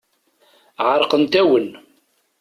Ɛerqent-awen.